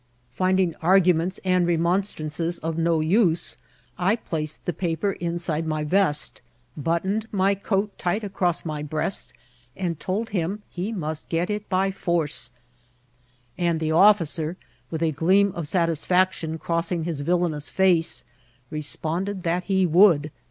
Finding arguments and re monstrances of no use, I placed the paper inside my vest, buttoned my coat tight across my breast, and told him he must get it by force; and the officer, with a g^eam of satisfaction crossing bis villanous face, re sponded that he would.